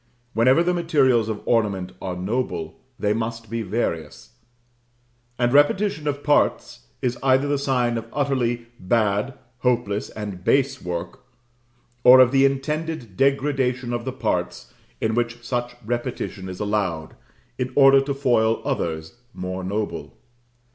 Whenever the materials of ornament are noble, they must be various; and repetition of parts is either the sign of utterly bad, hopeless, and base work; or of the intended degradation of the parts in which such repetition is allowed, in order to foil others more noble.